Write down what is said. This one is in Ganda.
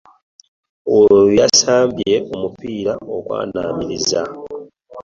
Oyo yasamba omupiira okwanaamiriza.